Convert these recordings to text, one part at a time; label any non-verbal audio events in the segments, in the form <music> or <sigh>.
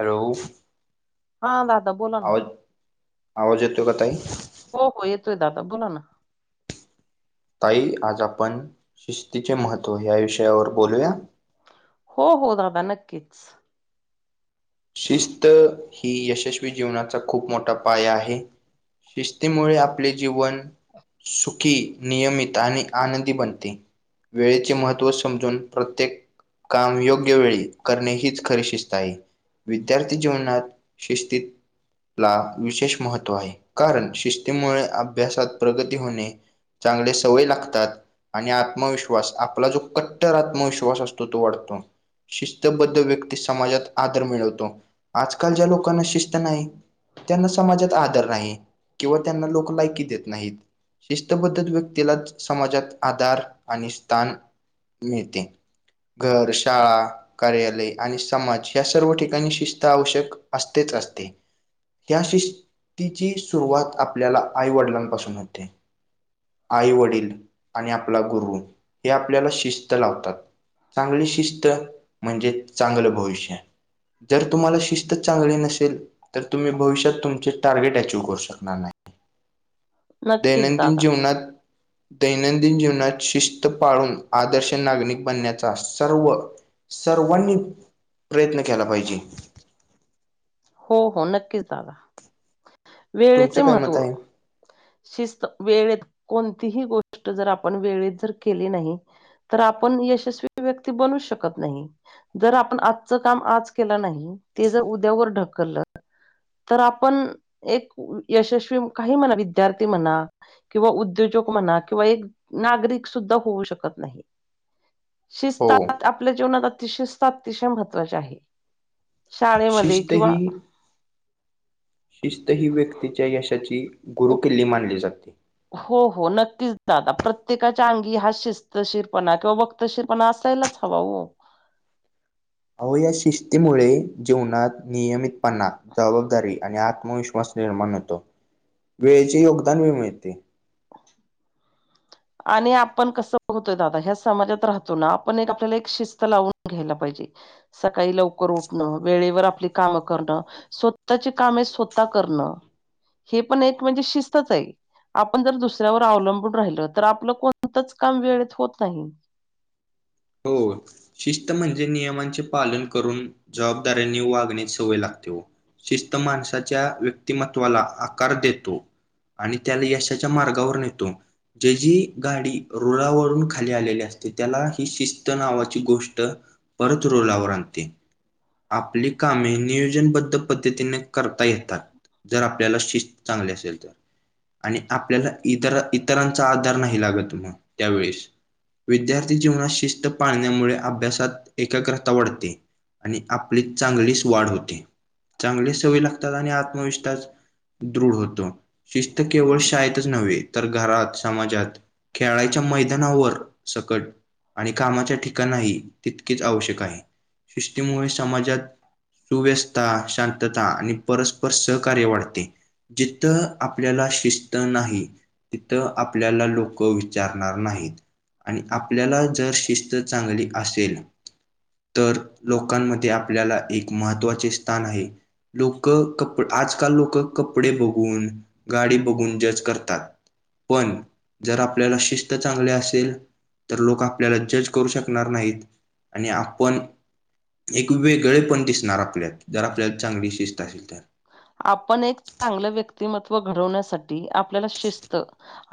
Hello! हां दादा बोला ना! आवाज आवाज येतो का ताई? हो हो, येतोय दादा बोला ना. ताई आज आपण शिस्तीचे महत्त्व या विषयावर बोलूया? हो हो, दादा नक्कीच. शिस्त ही यशस्वी जीवनाचा खूप मोठा पाया आहे. शिस्तीमुळे आपले जीवन सुखी, नियमित आणि आनंदी बनते. वेळेचे महत्त्व समजून प्रत्येक काम योग्य वेळी करणे हीच खरी शिस्त आहे. विद्यार्थी जीवनात शिस्तीत ला विशेष महत्त्व आहे, कारण शिस्तीमुळे अभ्यासात प्रगती होणे चांगले सवय लागतात आणि आत्मविश्वास आपला जो कट्टर आत्मविश्वास असतो तो वाढतो. शिस्तबद्ध व्यक्ती समाजात आदर मिळवतो आजकालच्या लोकांना शिस्त नाही. त्यांना समाजात आदर नाही किंवा त्यांना लोकं लायकी देत नाहीत. शिस्तबद्धत व्यक्तीलाच समाजात आधार आणि स्थान मिळते. घर शाळा कार्यालय आणि समाज या सर्व ठिक कारण शिस्त आवश्यक असतेच असते. त्या शिस्तीची सुरुवात आपल्याला आईवडिलांपासून होते. आई वडील आणि आपला गुरु हे आपल्याला शिस्त लावतात. चांगली शिस्त म्हणजे चांगलं भविष्य. जर तुम्हाला शिस्त चांगली नसेल. तर तुम्ही भविष्यात तुमचे टार्गेट अचीव करू शकणार नाही. नक्कीच दैनंदिन दादा जीवनात. दैनंदिन जीवनात शिस्त पाळून, आदर्श नागरिक बनण्याचा सर्व- सर्वांनी प्रयत्न केला पाहिजे. हो हो नक्कीच दादा तुमचं वेळेचे काय मत महत्त्व. आहे? शिस्त वेळेत कोणतीही गोष्ट जर आपण वेळेत जर केली नाही. तर आपण यशस्वी व्यक्ती बनू शकत नाही. जर आपण आजचं काम आज केलं नाही, ते जर उद्यावर ढकललं. तर आपण एक यशस्वी काही म्हणा विद्यार्थी म्हणा- किंवा उद्योजक म्हणा, किंवा एक नागरिक सुद्धा होऊ शकत नाही. हो. शिस्तात आपल्या जीवनात अतिशिस्त अतिशय महत्त्वाची आहे. शाळेमध्ये शिस्त किंवा- ही शिस्त ही व्यक्तीच्या यशाची गुरुकिल्ली मानली जाते. हो हो नक्कीच दादा प्रत्येकाच्या अंगी हा शिस्तशीरपणा किंवा व तशी पण असायलाच हवा हो. अवो या शिस्तीमुळे जीवनात नियमितपणा- जबाबदारी आणि आत्मविश्वास निर्माण होतो वेळेचे योगदान व मिळते. आणि आपण कसं पोहोतय दादा ह्या समाजात राहतो ना, आपण एक आपल्याला एक शिस्त लावून घ्यायला पाहिजे. सकाळी लवकर उठणं वेळेवर आपली कामं करणं. स्वतःचे काम आहे स्वतः करणं हे पण एक म्हणजे शिस्तच आहे. आपण जर दुसऱ्यावर अवलंबून राहिलं, तर आपलं कोणतच काम वेळेत होत नाही. होच शिस्त म्हणजे नियमांचे पालन करून, जबाबदाऱ्यांनी वागण्या सवय लागते. हो शिस्त माणसाच्या व्यक्तिमत्वाला आकार देतो. आणि त्याला यशाच्या मार्गावर नेतो. जे जी गाडी रुळावरून खाली आलेली असते त्याला, ही शिस्त नावाची गोष्ट परत रोलावर आणते. हि आपली कामे नियोजनबद्ध पद्धतीने करता येतात. जर आपल्याला शिस्त चांगली असेल तर, आणि आपल्याला इतर इतरांचा आधार नाही लागत मग त्यावेेळेस. विद्यार्थी जीवनात शिस्त पाळण्यामुळे अभ्यासात एकाग्रता वाढते. आणि आपली चांगलीच वाढ होते. चांगली सवय लागतात आणि आत्मविश्वास- दृढ होतो शिस्त केवळ शाळेतच नव्हे तर घरात, समाजात, खेळाच्या मैदानावर सकट, आणि कामाच्या ठिकाणाही तितकीेच आवश्यक आहे. शिस्तीमुळे समाजात, सुव्यस्था शांतता आणि परस्पर सहकार्य वाढते. जिथं आपल्याला शिस्त नाही. तिथं आपल्याला लोक विचारणार नाहीत. आणि आपल्याला जर शिस्त चांगली असेल. तर लोकांमध्ये आपल्याला एक महत्त्वाचे स्थान आहे. लोक कपडे आजकाल लोक कपडे बघून गाडी बघून जज करतात. पण जर आपल्याला शिस्त चांगली असेल तर लोक आपल्याला जज करू शकणार नाहीत आणि आपण एक वेगळे पण दिसणार आपल्यात जर आपल्याला चांगली शिस्त असेल तर. आपण एक चांगलं व्यक्तिमत्व घडवण्यासाठी आपल्याला शिस्त.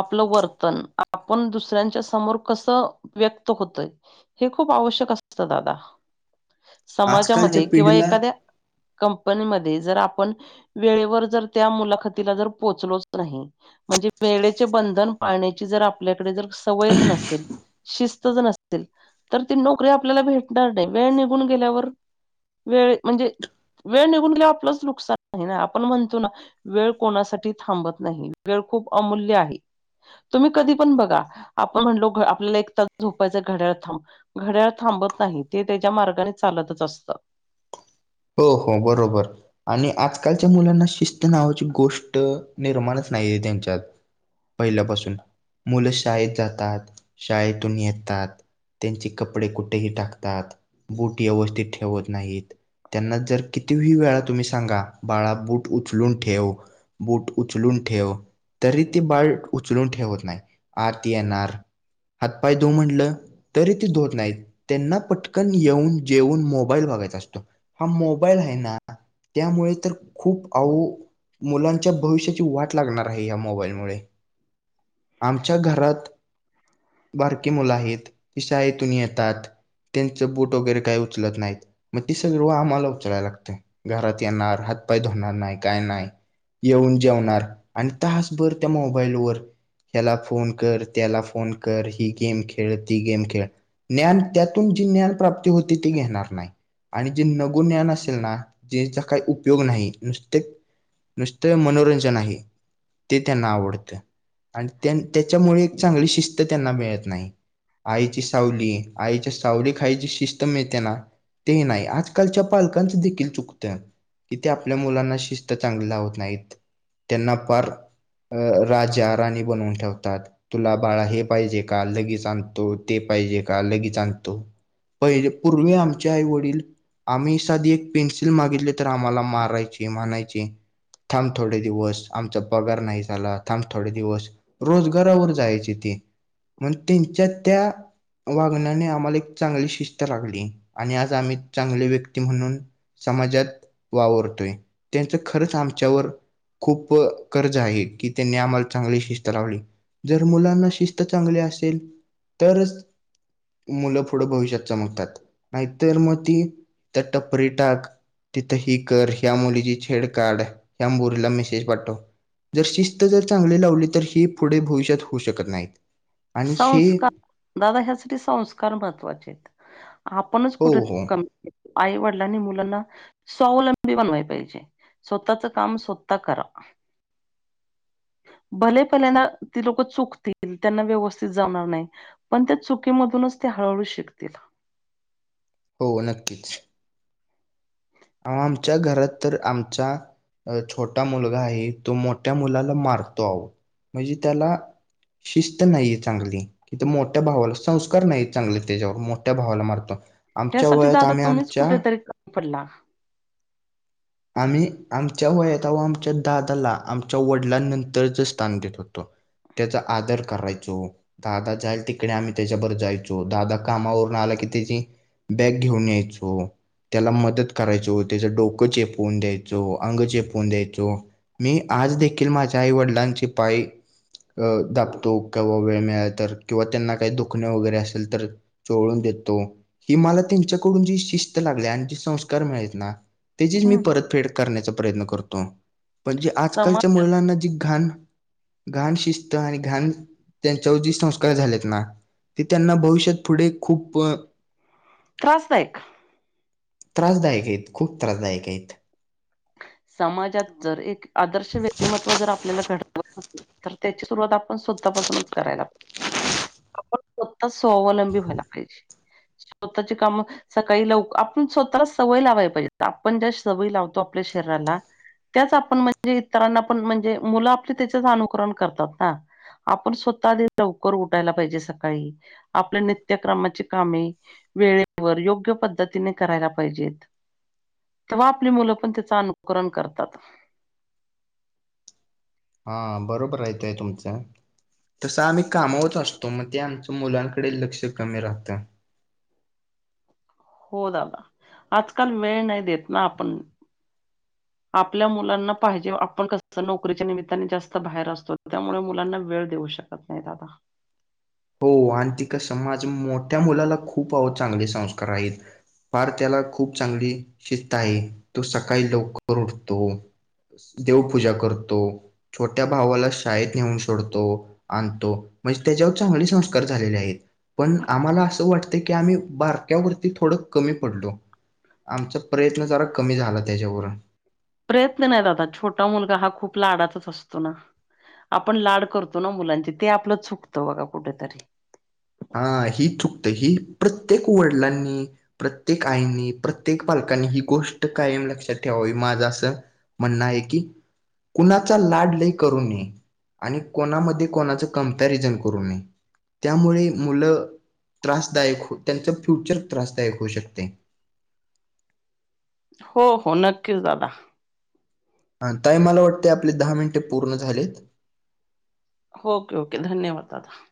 आपलं वर्तन आपण दुसऱ्यांच्या समोर कस व्यक्त होतय. हे खूप आवश्यक असतं दादा. <inaudible> आजकालच्या समाजामध्ये किंवा पिढीला एखाद्या कंपनीमध्ये जर आपण वेळेवर जर त्या मुलाखतीला जर पोहोचलोच नाही. म्हणजे वेळेचे बंधन पाळण्याची जर आपल्याकडे जर सवयच नसेल. शिस्त ज नसते ते तर ती नोकरी आपल्याला भेटणार नाही वेळ निघून गेल्यावर वेळ म्हणजे वेळ निघून गेऊ आपलंच नुकसान. नाही नाही आपण म्हणतो ना वेळ कोणासाठी थांबत नाही वेळ खूप अमूल्य आहे. तुम्ही कधी पण बघा आपण म्हणलो आपल्याला एक तास झोपायचं घड्याळ थांब घड्याळ थांबत नाही ते त्याच्या मार्गाने चालतच असतं. हो हो बरोबर. आणि आजकालच्या मुलांना शिस्त नावाची गोष्ट निर्माणच नाही आहेे त्यांच्यात. पहिल्यापासून मुलं शाळेत जातात शाळेतून येतात. त्यांचे कपडे कुठेही टाकतात बूट व्यवस्थित ठेवत नाहीत. त्यांना जर कितीही वेळा तुम्ही सांगा बाळा बूट उचलून ठेव. बूट उचलून ठेव. तरी ती बाळ उचलून ठेवत नाही आरती येणार आ हातपाय दो म्हणलं तरी ती धुवत नाहीत त्यांना पटकन येऊन जेऊन मोबाईल बघायचा असतो. हा मोबाईल आहे ना त्यामुळे तर खूप आ मुलांच्या भविष्याची वाट लागणार आहे या मोबाईलमुळे. आमच्या घरात बारकी मुलं आहेत त शाळेतून येतात. त्यांचं बूट वगैरे काही उचलत नाहीत मग ती सगळ आम्हाला उचलायला लागते घरात येणार हातपाय धोरणार नाही काय नाही. येऊन जेवणार आणि तासभर त्या मोबाईलवर. ह्याला फोन कर त्याला फोन कर ही गेम खेळ ती गेम खेळ. ज्ञान त्यातून जी ज्ञान प्राप्ती होती ती घेणार नाही. आणि जे नगो ज्ञान असेल ना ज्याचा काही उपयोग नाही नुसते नुसतं मनोरंजन आहे ते त्यांना आवडतं. आणि त्याच्यामुळे एक चांगली शिस्त त्यांना मिळत नाही. आईची सावली आईच्या सावली खायची शिस्त मिळते ना ते नाही आज आजकालच्या पालकांचं देखील चुकतं कि ते आपल्या मुलांना शिस्त चांगली लावत नाहीत. त्यांना पार अ राजा राणी बनवून ठेवतात. तुला बाळा हे पाहिजे का लगेच आणतो ते पाहिजे का लगेच आणतो. पाहिजे पूर्वी आमचे आई वडील आम्ही साधी एक पेन्सिल मागितली तर आम्हाला मारायचे म्हनायचे. थांब थोडे दिवस आमचा पगार नाही झाला थांब थोडे दिवस. रोजगारावर जायचे ते म्ग त्यांच्यात त्या वागण्याने आम्हाला एक चांगली शिस्त लागली आणि आज आम्ही चांगली व्यक्ती म्हणून समाजात वावरतोय त्यांचं खरंच आमच्यावर खूप कर्ज आहे की त्यांनी आम्हाला चांगली शिस्त लावली जर मुलांना शिस्त चांगली असेल तरच मुलं पुढं भविष्यात चमकतात नाहीतर मग ती त्या टपरिटाक तिथं ही कर ह्या मुलीची छेड काढ ह्या मुलीला मेसेज पाठो जर शिस्त जर चांगली लावली तर ही पुढे भविष्यात होऊ शकत नाहीत आणि हे संस्कार दादा ह्यासाठी संस्कार महत्वाचे आहेत आपणच हो कुठे हो कमी आई वडलांनी मुलाला स्वावलंबी बनवाय पाहिजे स्वतःच काम स्वत करा भले पल्यांद ती लोक चुकतील त्यांना व्यवस्थित जाणार नाही पण त्या चुकीमधूनच ते हळूहळू शिकतील. हो नक्कीच. आमच्या घरात तर आमच्या अ छोटा मुलगा आहे तो मोठ्या मुलाला मारतो आहो म्हणजे त्याला शिस्त नाहीये चांगली. हिथं मोठ्या भावाला संस्कार नाही चांगलं तेच्यावर मोठ्या भावाला मारतो. आमच्या वयात आम्ही आमच्या. पला आम्ही आमच्या वयात व आमच्या दादाला आमच्या वडिलांनंतरच स्थान देत होतो. तेचा आदर करायचो. दादा जायील तिकडे आम्ही तेच्याबरोबर जायचो दादा कामावरून आला की तेची बॅग घेऊन यायचो त्याला मदत करायचो तेचं डोकं चेप <unintelligible> द्यायचो, अंग चेपून द्यायचो. मी आज देखील माझ्या आईवडिलांचे पाय अ दाबतो कंवा वेळ मिळाल तर किंवा त्यांना काही दुखणें वगैरे असेल तर चोळून देतो ही मला तेच्याकडून जी शिस्त लागली आणि जी संस्कार मिळालेत नां. त्याचीच मी हम्म परतफेड करण्याचा प्रयत्न करतो पण जे आजकालच्या समाज मुलांना जी घाण घाण शिस्त आणि घाण त्यांच्या जी संस्कार झालेत ना ते त्यांना भविष्यात पुढे खूप त्रासदायक त्रासदायक आहेत, खूप त्रासदायक आहेत. समाजात जर एक आदर्श व्यक्तिमत्व जर आपल्याला घड तर त्याची सुरुवात आपण स्वतःपासूनच करायला आपण स्वतः स्वावलंबी व्हायला पाहिजे. स्वतःची कामं सकाळी लाव आपण स्वतःला सवय लावाय पाहिजे आपण ज्या सवय लावतो आप आपल्या शरीराला त्याच आपण म्हणजे इतरांना पण म्हणजे मुलं आपले त्याच्याच अनुकरण करतात ना आपण स्वतः आधी लवकर उठायला पाहिजे सकाळी आपल्या नित्यक्रमाची कामे वेळेवर योग्य पद्धतीने करायला पाहिजेत तेव्हा आपली मुलं पण साआनुकरण करतात. हा बरोबर आहे ते तुमचं तसं आम्ही कामावच असतो म ते आमचं मुलांकडे लक्ष कमी राहतं. हो दादा, आजकाल वेळ नाय देत ना आपण. <inaudible> आपल्या मुलांना पाहिजे आपण कसं नोकरीच्या निमिताने जास्त बाहेर असतो त्यामुळे मुलांना वेळ देऊ शक -कत नाई दादा हो आणि ते कसं माझ्या मोठ्या मुलाला खूप आवो चांगले संस्कार आयेत. फार त्याला खूप चांगली शिस्त आहे, तो सकाळी लवकर उठतो. देवपूजा करतो. छोट्या भावाला शाळेत नेऊन सोडतो, आणतो म्हजे त्याच्याव चांगले संस्कार झालेले आहेत. पण आम्हाला असं वाटत की, आम्ही बारक्यावरती थोडं कमी पडलो. आमचा प्रयत्न जरा कमी झाला तेच्यावरून प्रयत्न नाय दादा छोटा मुलगा हा खूप लाडाचाच असतो न आपण लाड करतो ना, मुलांचे ते आपलं चुकतं बघा कुठेतरी हा ही चुकतयं ही प्रत्येक वडलांनी प्रत्येक आईंनी प्रत्येक पालकांनी ही गोष्ट कायम लक्षात ठेवावी माझं असं म्हणणंय की कुणाचा लाड लय करू नये. आणि कोणामध्ये कोणाच कंप्यारिझन करू नये त्यामुळे मुलं त्रासदायक त्यांच फ्युचर त्रासदायक होऊ शकते. हो हो नक्कीच दादा. अं ताई मला वाटते आपले दहा मिंटे पूर्ण झालेत. ओके ओके धन्यवाद दादा.